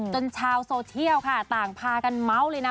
ชาวโซเชียลค่ะต่างพากันเมาส์เลยนะ